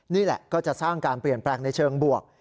นี่แหละก็จะสร้างการเปลี่ยนแปลงในเชิงบวก